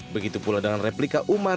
begitu pula dengan replika umar